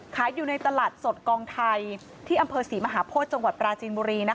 ขายอยู่ในตลาดสดกองไทยที่อำเภอศรีมหาโพธิจังหวัดปราจีนบุรี